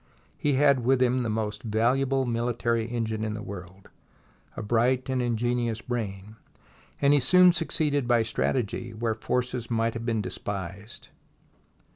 He had with him the most valuable military engine in the world — a bright and ingenious brain — and he soon suc ceeded by strategy where force might have been despised.